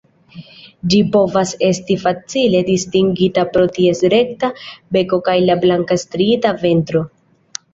Ĝi povas esti facile distingita pro ties rekta beko kaj la blanka striita ventro.